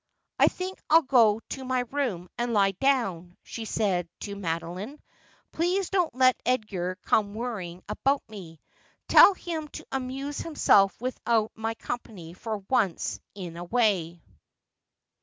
' I think I'll go to my room and lie down,' she said to Mado line. ' Please don't let Edgar come worrying about me. Tell him to amuse himself without my company for once in a way.'